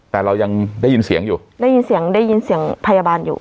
แต่เรายังได้ยินเสียงอยู่ได้ยินเสียงได้ยินเสียงพยาบาลอยู่